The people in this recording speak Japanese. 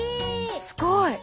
すごい。